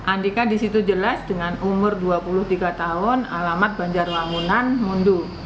andika disitu jelas dengan umur dua puluh tiga tahun alamat banjar lamunan mundur